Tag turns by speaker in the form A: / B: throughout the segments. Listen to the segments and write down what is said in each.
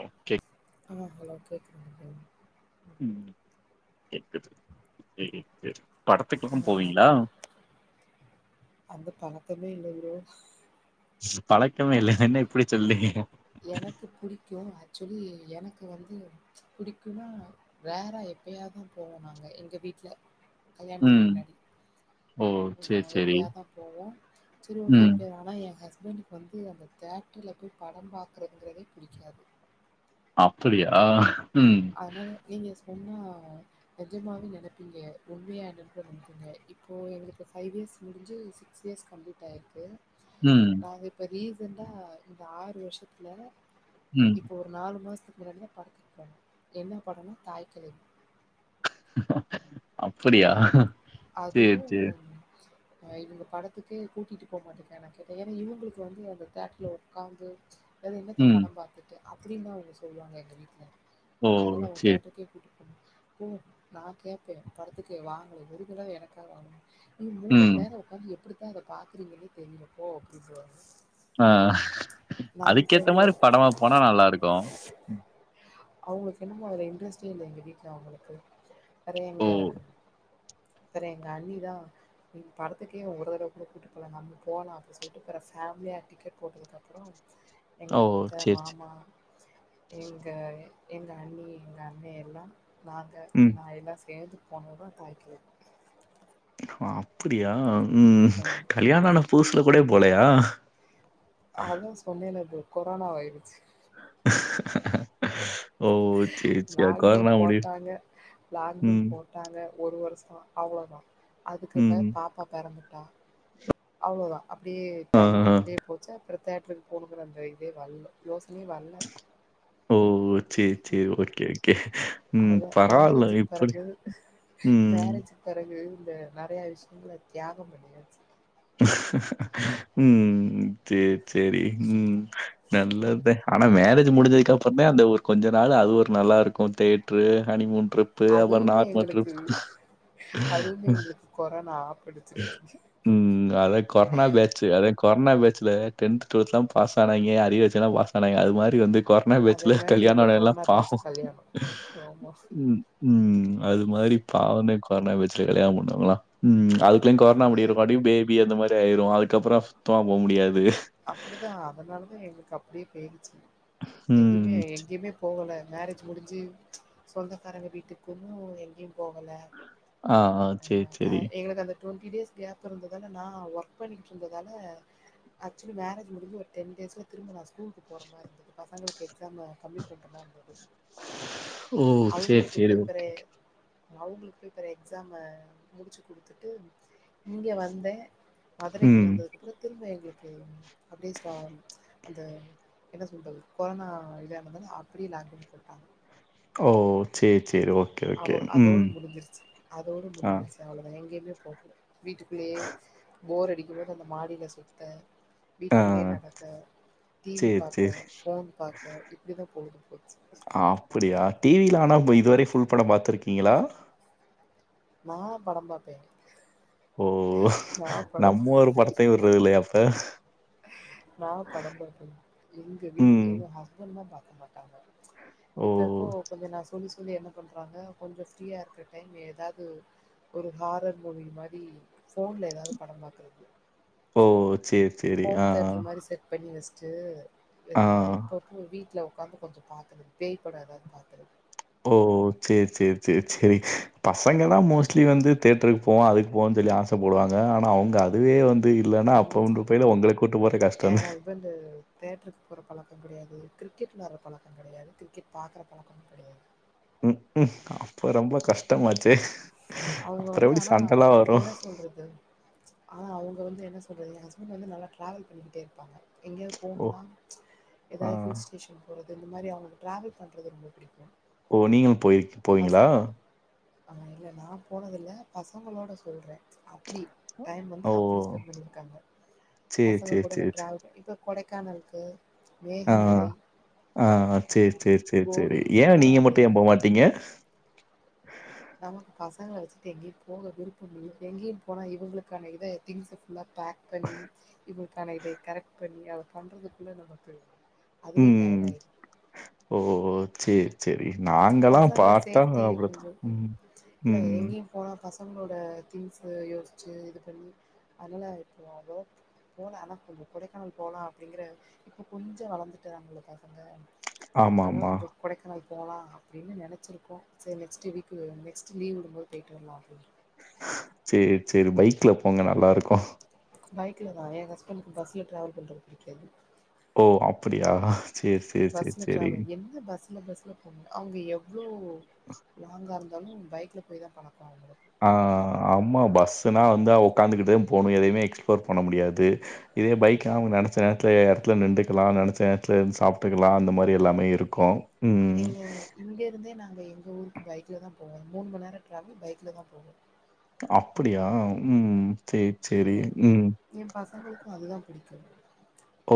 A: Okay
B: ஆமா hello கேக்குது ம்
A: ம் கேக்குது சரி சரி படத்துக்குல்லா
B: ஆ
A: போவீங்களா
B: ஓகே தமிழ் நகுரு
A: பழக்கமே இல்ல என்ன இப்டி சொல்லீங்க
B: எனக்கு புடிக்கும் ஆக்சுவலி எனக்கு வந்து புடிக்கும்னா ரேரா எப்பயாதா போவோ நாங்க எங்க வீட்டுல கல்யாணத்துக்கு
A: ம்
B: முன்னாடி
A: ஓ
B: அ
A: சேரி சேரி
B: எப்படியாதா போவோ சரி ஓகே
A: ம்
B: எப்படி வேனா எ ஹஸ் அப்பனுக்கு வந்து அந்த தேட்டர்ல போய் பட பாக்கறதுங்கிறதே பிடிக்காது
A: அப்படியா ம்
B: அதனால நீங்க ஒன்னா நெஜமாவே நெனைப்பீங்க உண்மையா நப்ப நெனைப்பீங்க இப்போ எங்களுக்கு ஃபைவ் இஸ் ஸ் முடிஞ்சு சிக்ஸ் இயர்ஸ் கம்ப்ளீட் ஆயிருக்கு
A: ம்
B: நாங்க இப்ப ரீசன்டா இந்த ஆறு வருஷத்துல
A: ம்
B: இப்போ ஒரு நாலு மாசத்துக்கு முன்னாடி படத்துக்கு போனோ என்ன படனும் தாய்க்கிழவி
A: அப்படியா சேரி
B: அதுவும்
A: சேரி
B: ஆ இவங்க படத்துக்கே கூட்டிட்டு போகமாட்டேக்கே நான் கேட்டேன் ஏன்னா இவங்களுக்கு வந்து அந்த தேட்டர்ல ஒர்க்காந்து அதாவது என்னத்த
A: ம்
B: படம் பார்த்துட்டு அப்படின்னு தான் அவங்க சொல்லுவாங்க எங்க வீட்ல
A: ஓ
B: அதனால் அவங்க
A: சேரி
B: தேட்டருக்கே கூட்டி நான் கேட்பேன் படத்துக்கு வாங்கல ஒரு தடவ எனக்கா வாங்க நீ மூணு
A: ம்
B: நரம் உட்காந்து எப்படித்தான் இத பாக்குறீங்கன்னே தெரியல போ அப்படிப் பாரு
A: ஆ அதுக்கேத்த மாதிரி
B: ஓகே
A: படமா போனா நல்லா இருக்கு
B: அவங்களுக்கு என்னமோ அதல இன்ட்ரெஸ்டே இல்ல எங்க வீட்ல அவங்களுக்கு வேறைய
A: ஓ
B: எங்க சரி எங்க அண்ணி தா படத்துக்கே ஒரு தடவை கூிட்டு போல நம்ம போனல அப்பின் சொல்லிட்டு பற ஃபேமிலியா டிக்கெட் போட்டதுக்குப்புறம் எங்க
A: ஓ
B: அத்த
A: சேரி சேரி
B: மாமா எங்க எங்க அண்ணி எங்க அண்ணே எல்லா நாங்க
A: ம்
B: நான் எல்லா சேர்ந்து போனது தான் தாய்க்கிளவி
A: அப்படியா ம் கல்யாணான பூசுல கூட போலையா
B: அதான் சொன்னேன ப்ரோ கொரோனா ஆய்டுச்சு
A: [unintelligible] [inaudible] சேரி சேரி
B: லாக்டவுன்
A: கொரோனா முடிய
B: போட்டாங்க லாக்டவுன்
A: ம்
B: போட்டாங்க ஒரு வருஷம் அவ்ளோதா அதுக்கிட்ட
A: ம்
B: பாப்பா பிறந்துட்டா அவ்ளோதா அப்படியே
A: ஆ,
B: டைம்
A: ஆ.
B: அப்படியே போச்சா அப்றம் தியேட்டர் கு போணுங்கிற அந்த இதே வர்ல யோசனையே வர்ல
A: ஓ சரி சரி ஓகே ஓகே ம்.
B: அவ்ளோ தான்
A: பரவால்ல.
B: மேரேஜு
A: இப்படி
B: பறகு
A: ம்,
B: மேரேஜ பறகு இந்த நறைய விஷயங்கள தியாகம் பண்ணியாச்சு
A: ம் சரி சரி ம் நல்லதான் ஆனா மேரேஜ் முடிஞ்சதுக்குப்புறந்த அந்த ஒரு கொஞ்சம் நாள் அது ஒரு நல்லா இருக்கும் தேட்ரு ஹனிமூன் ட்ரிப்பு
B: அதுவுமே
A: அப்புற [unintelligible]
B: எங்களுக்கு
A: ட்ரிப்
B: அதுவுமே எங்களுக்கு கொரோனா ஆப்படிச்சிருச்சு
A: ம் அத கொரோனா பேட்ச்சு அத கொரோனா பேச்சில டென்த டுவல்த்லாம் பாஸ் ஆனங்க அரிய வச்சுலாம் பாஸ் ஆனாங்க அது மாதிரி வந்து கொறனா
B: அதே
A: பேச்சல
B: மாரி
A: கல்யாணோட
B: எங்களுக்கு
A: எல்லாம்
B: கொரோனா பேட்ச்
A: பாவம்
B: கல்யாணோ ஆமா
A: ம் ம் அது மாதிரி பாவனே கொரோனா பேச்சு கல்யாணம் பண்ணாங்களா ம் அது எப்டியு கொர்னா
B: அந்த
A: முடியரது குல்லாடியும் பேபிஅந்த மாரி ஆயிரு அதுக்கப்புறம் சுத்தமா போ முடியாது
B: அப்டிதா அதனாலதா எங்களுக்கு அப்டியே போய்டுச்சு எதுமே
A: ம்.
B: எங்க்யுமே போவல மேரேஜ் முடிஞ்சி சொந்தக் காரங்க வீட்டுக் குன்னு எங்க்யும்
A: ஆ ஆ சேரி சேரி
B: டொண்ட்டி டேஸ் கேப் இருந்ததால நா ஒர்க் பண்ணிட்டுருந்ததால ஆக்சுவலி மேரேஜ் முடிஞ்சி ஒரு டென் டேஸ்ல் திரும்பு நா ஸ்கூலுக்கு போற மாரி இந்தது பசங்களுக்கே எக்ஸாம்ம கம்மி பண்ருந்த இருந்தது
A: ஓ சேரி சேரி ஓகே
B: அவுங்களுக்கு போய் [unintelligible] எக்ஸாம்மு முடிச்சு குடுத்துட்டு இங்கே வந்தே மதுரைக்கு
A: ம்.
B: வந்ததுக்குப்புற திரும்ப எங்க்லு கம் அப்டே ஸ்டாம் அந்த என்ன சொல்றது கொரோனா இல்யா அந்ததானே அப்டியேய் அப்படின்னு சொல்ட்டாங்க
A: ஓ சேச்சு
B: அவவ் அதோடு முடிஞ்சிருச்சு அதோடு
A: ஆ,
B: முடிஞ்சிருச்சு அவ்ளதா எங்கயுமே போகல வீட்டுக்குள்ளே போர் அடிக்கு மோது அந்த மாடில சுத்த
A: ஆ.
B: வீட்லுக்குள்ளேயே நடக்க டிவி
A: சரி, சரி.
B: பாக்க போன் பாக்க இப்டிதா போகுதுங்
A: ஆ அப்படியா டிவில ஆனாவ் இதுவரே ஃபுல் படம் பாத்துருக்கீங்களா
B: நா படம் பாப்பே
A: ஓ நம்மொரு படத்தையு விடுறலையாப்ப
B: நா படம் பாக்கண் எங்க வீ
A: ம்.
B: எங்க ஹஸ்பண்ட் தா பாக்க மாட்டாங்க
A: ஓ!
B: இப்ப எப்போ கொஞ்ச நா சொல்லிஸ் சொல்லி என்ன பண்றாங்க கொஞ்ச ஃப்ரீயா இருக்குற டைம் ஏதாவது ஒரு ஹாரர் மூவி மாதி ஃபோன்ல எதாவது படம் பாக்குறது
A: ஓ சேர்
B: ஹோம் தேட்டர் மாரி செட் பண்ணி வச்சுட்டு
A: ஆ.
B: அ
A: ஆ.
B: இப்பப்போ வீட்ல ஒக்காந்து கொஞ்ச பாக்குது பேய் பட எதாவது பாக்குறது
A: ஓ சேர் சேர் சேர் சேர் பசங்க தா மோஸ்ட்லி வந்து தேட்டருக்கு போவா அதுக்கு போன்ஜ் வெலி ஆசப்படுவாங்க ஆனா அவங்க அதுவே வந்து து இல்லன்னா அப்பொ ஒன்று
B: நிஜமா
A: பயில ஒங்கள கூட்டு போறது
B: எ
A: கஷ்டந்தா
B: எங்கிடயாது கிரிக்கெட்னாற பழக்கங் கெடையாது கிரிக்கெட் பாக்குற பழக்க கெடையாது
A: ம் ம் அப்ப ரொம்ப கஷ்டமாச்சே
B: அவங்க
A: அப்புறம்
B: வந்து
A: எப்படி
B: ஆனா
A: சண்டைலாம் வரும்?
B: என்ன சொல்றது ஆ அவங் போ வந்து என்ன சொல்றது ஏ ஷஸ்பண் வந்து நல்லா ட்ராவல் பண்ணிக்கிட்டே இருப்பாங்க எங்கேயாவ்
A: ஓ!
B: போணுனா
A: ஆ.
B: எதாவ் ஹில் ஸ்டேஷன் போறத் இந்த மாரி அவங்களு ட்ராவல் பண்றது ரொம்ப புடிக்கு
A: ஓ நீங்களு போயிக் போவீங்களா
B: ஆனா இல்ல நா போனதுல்ல பசங்களோட சொல்றே அப்டி டைம் வந்து
A: ஓ!
B: அப்படி ஸ்பெண் பண்ணிருக்காங்க
A: சரி,
B: பசங்க
A: சரி,
B: கூட இந்த
A: சரி, சரி.
B: ட்ராவல் ப இப்போ கொடைக்கானல்க்கு
A: ஆ ஆ ஆ ஆ சேர் சேர் சேர் சரி
B: போடி
A: ஏ நீங்க
B: மூணாறு
A: மட்டு ஏ போமாட்டீங்க [inaudible]
B: நமக் பசங்கள வச்சுட்டு எங்கயு போக விருப்பு இல்லியே எங்கயு போனா இவங்களுக்கான இது திங்ஸ்ஸு ஃபுல்லா பேக் பண்ணி இவுங்க்கான இது கரெக்ட் பண்ணி அத பண்றுதுக்குள்ள நமக்கு அதுலே டயர்ட் ஆயிரு
A: சேர் சரி நாங்கலாம்
B: பசங்க
A: பாத்தா
B: சேஃப்டி
A: வருத்
B: கொஞ்சோ
A: ம் ம் ம்
B: பசங்க்ளோட திங்சு யோசிச்சு இது பண்ணி அதனால்ப் போவா போல ஆனா கொஞ்சோ கொடைக்கானல் போலா அப்டிங்கற இப்ப கொஞ்ச வளந்துட்டுறாங்களு பசங்க அதா
A: ஆமாமா.
B: கொஞ்சோ கொடைக்கனல் போலா அப்டின்னு நெனைச்சிருக்கோ ஸ நெக்ஸ்ட்டு வீக்கு [unintelligible] நெக்ஸ்ட் லீவ் விடும்போத் போய்ட்டு வரலா அப்பின்ற
A: சேர் சரி பைக்ல போங்க நல்லாருக்கு
B: பைக்ல தா எ ஹஸ்பண்க்கு பஸ்ல ட்ராவல் பண்றது பிடிக்காது
A: ஓ அப்படியா சேரி, சேரி, சேரி,
B: பஸ்ல
A: சேரி.
B: டிராவல் என்ன பஸ்ல பஸ்ல போறீங்க அவங்க எவ்ளோ லாங்கா இரு தாலு பைக்ல போய் தா பழக்கொ
A: பின்னால வந்தா ஒக்காந்துக்கிட்டுதே போணு எதையுமே எக்ஸ்ப்ளோர் பண்ண முடியாது இதே பைக்ன்னா அவங்க நெனச்ச நேரத்ல த்ல நிண்டுக்லா நெனைச்ச நேரத்ல இருந்து சாப்ட்டுக்லா அந்த மாரி எல்லாமே இருக்கூ
B: ஏங்க இங்க இருந்தே நாங்க எங்க ஊருக் கு பைக்ல தா போவோ மூணு மண் நேர டிராவல் பைக்ல தா போவோ
A: அப்டியா ம் சேரி,
B: ஏ
A: சேரி. ம்.
B: ஏ பசங்களுக்கு அதுதா பிடிக்கு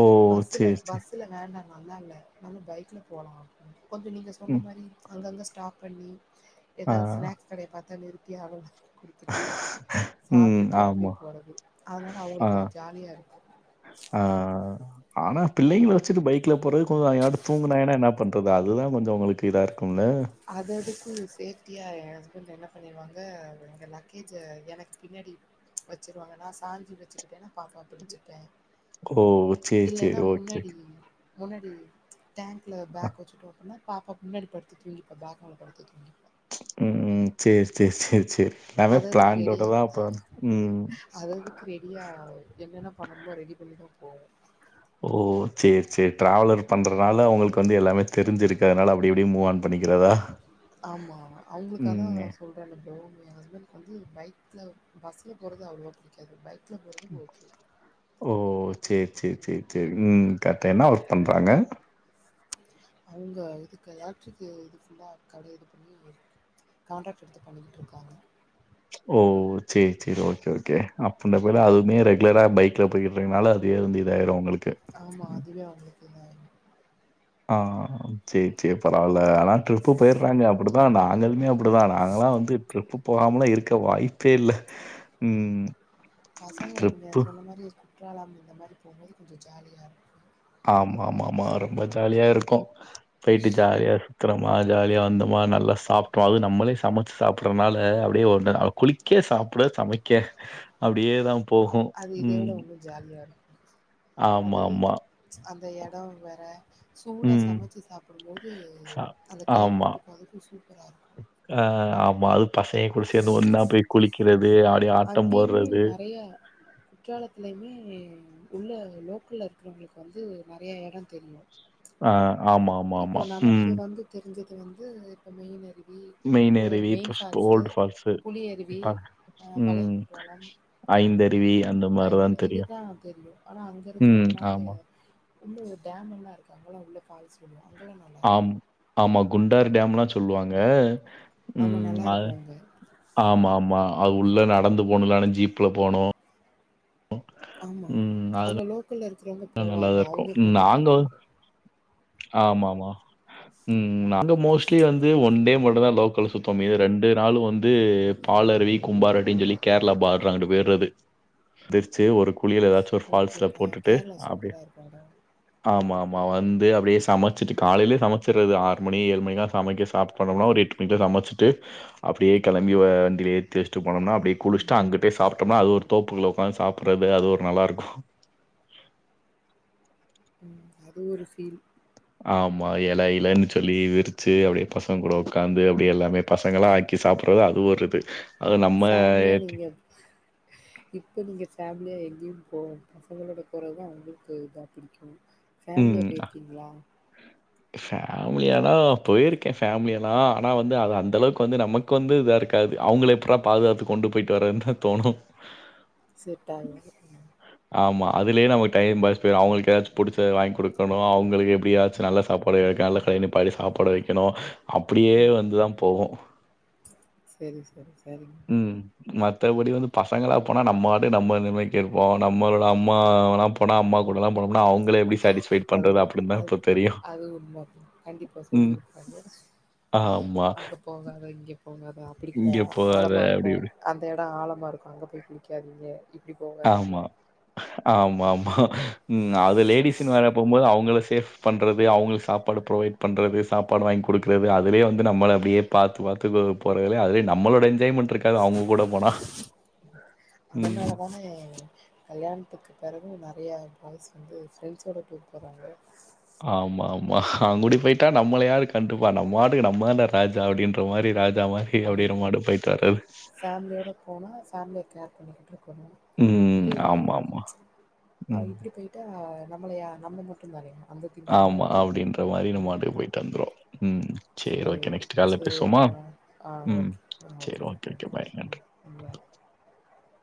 A: ஓ!
B: பஸ்ல
A: சேரி, சேரி.
B: பஸ்ல வேண்டா நல்லா இல்ல நம்ம பைக்ல போலா அப்டினு கொஞ்சொ நீங்க சொன்ன
A: ம்.
B: மாரி அங்கங்க ஸ்டாப் பண்ணி
A: ஆ.
B: ஏதாவது ஸ்நாக்ஸ் கடய பாத்தா நொறுக் கியே அப்டியே குடுத்துட்டு
A: ம்.
B: சாப்ட்டுட்டு அப்டியே
A: ஆமா.
B: வர்றது அதனால
A: ஆ.
B: அவங்களுக்கு அது ஜாலியா இருக்கு
A: ஆ. ஆனா
B: ம்
A: பிள்ளைங்கள வச்சிட் பைக்ல போறது கொஞ்சொ அவெங்க பாட்டுக்கு தூங்குனாங்கன்னா என்னா பண்றது அதுதா கொஞ்சொ ஒங்களுக்கு இதாருக்
B: அத அதுக்கு சேப்ட்டியா ஏ ஹஸ்பெண்ட் என்ன பண்ணிருவாங்க எங்க லக்கேஜ்ஜ எனக்கு பின்னாடி வச்சிருவாங்க நா சாஞ்சி வச்சுக்கிட்டேன்னா பாப்பா புடிச்சிப்பே
A: ஓ! சரி, சரி.
B: இல்லேன்னா
A: ஓகே.
B: முன்னாடி முன்னாடி டேங்க்ல
A: அ.
B: பேக் வச்சுக்குருவாப்ல. பாப்பா முன்னாடி படுத்து தூங்கிருவா. பேக்ல படுத்து தூங்கிருவா.
A: ம் ம் சேர் சேர் சேர் சேர் எல்லாமே பிளான்டோடதா அப்ப ம்
B: அததுக்கு ரெடியா என்னென்ன பண்ணணுமோ ரெடி பண்ணிதா போவோ.
A: ஓ சேர் சேர் டிராவலர் பண்றனால உங்கள்க்கு வந்து எல்லாமே தெரிஞ்சிருக்கு அதனால அப்டி இப்டி மூவ் ஆன் பண்ணிக்கிறதா?
B: ஆமா அவுங்ளுக்கு அதா
A: ம்.
B: சொல்றனே தோ ஏ ஹஸ்பண்க்கு வந்து பைக்ல பஸ்ல போறது அவ்ளவா பிடிக்காது பை
A: ம் ஓ சேர் சேர் சேர் சேர் ம் கர்ட்டு என்னா ஒர்க் பண்றாங்க
B: அவுங்க இதுக்கு எலெக்ட்ரிக்கு இது ஃபுல்லா கட இது பண்ணி கான்ட்ராக்ட் எடுத்து பண்ணிக்கிட்ருக்காங்க
A: ஓ சேர் சேரி ஓகே ஓகே அப்பன் டபுளா அதுவுமே ரெகுலரா பைக்ல போயிர்றனால அ பேருந்து இதாயிரு உங்களுக்
B: ஆமா அதுவே அவுங்குளு
A: ஆ ஆ ஆ சேர் சேர் பரவால்ல ஆனா ட்ரிப்பு போயிர்றாங்க அப்புடிதா நாங்களுமே அ ப்டிதா நாங்கல்லா வந்து ட்ரிப்பு போகாமல்லா இருக்க வாய்ப்பே இல்ல ம்
B: பசங்க நீங்க
A: ட்ரிப்பு
B: சொன்ன மாரி குற்றாலம் இந்த மாரி போம்போது கொஞ்சொ ஜாலியா
A: ஆமாமாமா ரொம்ப
B: ம்
A: ஜாலியா இருக்கு போயிட்டு ஜாலியா சு த்தரமா ஜாலியா வந்தமா நல்லா சாப்ட்டோ அது நம்மளே சமச்சு சாப்ட்றனால அப்டியே ஒன்னு அ குளிக்க குளிக்க சாப்ட சமைக்க அப்டியேதா
B: அது இத விட ரொம்ப ஜாலியாரு
A: ஆமா ஆமா
B: அந்த எடோ வேற சூடா
A: ம்.
B: சமச்சி சாப்புடும்போது
A: சா
B: அந்த கிளைமேட்டுக் அதுக்கு சூப்பராருக்கு
A: க்கா ம்மா அது பசெங்க கூட சேந்து ஒன்னா போய் குளிக்கிறது ஆ
B: அங்கயுமே நெறையா குற்றாலத்திலிமே உள்ள லோக்கல்ல இருக்றவங்களுக்கு வந்து நறையா எடந் தெரியு
A: ஆ ஆமாமாமா ம்
B: இங்கத்து வந்து இப்ப மெயின் அரு
A: மெயின் அருவி ப்ளஸ்ப் ஓல்டு ஃபால்ஸு
B: புலி அருவி
A: ப
B: ஆ பழைய
A: ம்
B: குற்றாலம்
A: ஐந்தருவி அந்த
B: ஆ
A: மாரி
B: இந்த
A: தான் தெரியும்.
B: இதுதா தெரியு ஆனா அங்க இருக்றவங்க
A: ம்.
B: நாங்க எ
A: ஆமா.
B: உள்ள டேம் எல்லாருக்கு அங்கல்லா உள்ள ஃபால்ஸ் [unintelligible] அங்கல்லா
A: ஆம் ஆமா குண்டாறு டேம்லா சொல்லுவாங்க
B: ஆமா
A: ம்
B: நல்லா
A: அது
B: இருக்கு அங்க
A: ஆமா ஆமா அது உள்ள நடந்து போணு இல்லானு ஜீப்ல போணு
B: ஆமா அங்க
A: அதெல்லாம்
B: லோக்கல்ல இருக்றவங்க
A: நல்லா
B: போவாங்க
A: தான் இருக்கும்.
B: அவுங்களுக்கு மட்டு
A: நாங்க
B: தெரியாது
A: ஆமாமா ம் ம் நாங்க மோஸ்ட்லி வந்து ஒன்டே ம ட்டுதா லோக்கல்ல சுத்துவோ மீத ரெண்டு நாளு வந்து பால் அருவி கும்பாரட்டின் சொல்லி கேரளா பாட்ரு அங்குட்டு போய்ர து எந்திர்ச்சு ஒரு குளியல எதாச்சு ஒரு ஃபால்ஸ்ல போட்டுட்டு அப்டியே
B: ப்பராருக்கு அங்கதா
A: ஆமா ஆமா வந்து அப்டியே சமைச்சிட்டு காலைலியே சமைச்சிர்றது ஆ மணி ஏழு மணிக்லா சமைக்க ஸாப்ட் பண்ணம்னா ஒரு எட்டு மணிக்ல சமைச்சிட்டு அப்டியே கெளம்பி வண்டியில ஏத்தி வெச் ட்டு போணம்னா அப்டே
B: ம்,
A: குளிச்ட்டு அங்க பே சாப்ப டமா அது ஒரு தோப்புக்குள்ள ஒக்காந்து சாப்பறது அது ஒரு நல்லாருக்கு
B: ம் அது ஒரு ஃபீல்
A: ஆமா எல இலன் சொல்லி விரிச்சு அப்டே பசங்க கூட உக்காந்து அப்டே எல்லாமே பசங்கள்லா ஆக்கி சா ப்பறது அது ஒரு இது அதுவும் நம்ம
B: ஃபேம்லியா
A: ஏத்தி-
B: நீங்க இப்ப நீங்க ஃபேம்லியா எ ங்கியும் போவோம் பசங்களோட குரல்தா உங்குளுக்கு இதா பிடிக்கும் ஃபேம்லியா போயிர்க்கீங்ளா
A: ஃபேம்லியானா போயிருக்கே ஃபேம்லியெல்லா ஆனா வந்து அது அந்தளவுக்கு வந்து நமக்கு வந்து இதா இருக்காது அவ்ங்கள எப்புட்ரா பாதுகாத்து கொண்டு போயிட்டு வரதுன்தா தோணு
B: செத்தாங்க
A: ஆமா அதுலயே நமக்கு டைம் பாஸ் போயிரு அவுங்களுக்கு எதாச்சு புடிச்சத வாங்கி குடுக்கணு அவுங்களுக்கு எப்டியாச்சு நல்ல சாப்பாடு கால்ல ட்ரைன் நிப்பாட்டி சாப்பாடு வைக்கணு அப்டியே வந்துதா போகு
B: செரி செரி செரிங்
A: ம். மத்தபடி வந்து பசங்களா போனா நம்ம வாட்டு நம்ம நிம்மதிக்கிருப் போ நம்மளோட அம்மாலா போனா அம்மா கூடலா போனம்னா அவ்ங்களே எப்டி
B: அது அ அது உண்ம கண்டிப்பா
A: ம்.
B: சொல்லிருக்காங்க
A: ஆமா.
B: அங்க போகாத இங்க போகாத அப்டிக்க
A: இங்க போகாத
B: ஆழமா இருக்கு
A: அப்படி இப்படி.
B: அந்த எட ஆழ மா இருக்கு அங்க போய் குளிக்காதீங்க இ
A: ஆமா ஆமாம்மா ம் அது லேடிஸ்னு வேற போம்போது அவுங்கள சேஃப் பண்றது அவுங்களுக்கு சாப்பாடு ப்ரொவைட் பண்றது சாப்பாடு வாங்கி குடுக்கிறது அதுலே வந்து நம்மள அப்டியே பாத்து பாத்து போறதுலே அதுலே நம்மளோட என்ஜாய்மெண்ட் இருக்காது அவுங்க கூட போனா ம்.
B: அதனாலதானே கல்யாண்த்துக்கு பெறகு நெறையா பாய்ஸ் வந்து ஃப்ரெண்ட்ஸோட டூர் போறாங்க
A: ஆமாம்மா அவங்ககூடே போய்ட்டா நம்மள யாரு கண்டுப்பா நம்மவாட்டுக்க நம்மதாண்டா ராஜா அப்டின்ற மாரி ராஜ்
B: அது ஃபேம்லியோட போனா ஃபேம்லிய கேர் பண்ணிக்கிட்டு இரு போ
A: ம்.
B: இது
A: ஆமா ஆமா.
B: ஆ
A: ம்.
B: இப்டி போயிட்டா நம் ம்மளயா நம்ம மட்டுந்தானே பா
A: ஆமா அப்டின்ற மாரி நம்மவாட்டுக்க போயிட்டு வந்துருவோ ம் சரி ஓகே.
B: செரி
A: நெக்ஸ்ட் கால்ல பேசுவோமா?
B: சேரிப்பா ஆ
A: ம்.
B: ஓகே ஆ
A: சரி
B: ஓகே
A: பாய். நன்றி.
B: [unintelligible] [inaudible]